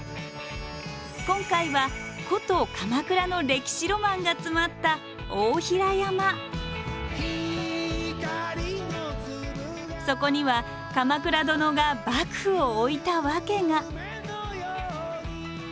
今回は古都鎌倉の歴史ロマンが詰まったそこには鎌倉殿が幕府を置いた訳が。